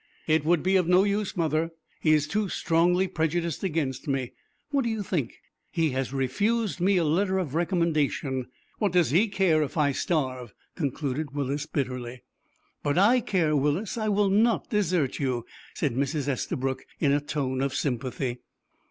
"It would be of no use, mother. He is too strongly prejudiced against me. What do you think? He has refused me a letter of recommendation. What does he care if I starve?" concluded Willis, bitterly. "But I care, Willis. I will not desert you," said Mrs. Estabrook, in a tone of sympathy.